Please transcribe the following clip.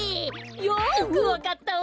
よくわかったわ。